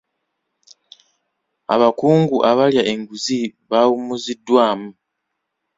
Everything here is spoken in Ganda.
Abakungu abalya enguzi bawummuziddwamu.